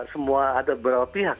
semua ada berapa pihak